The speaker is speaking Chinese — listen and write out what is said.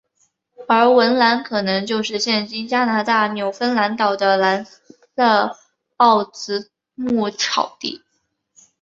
而文兰可能就是现今加拿大纽芬兰岛的兰塞奥兹牧草地。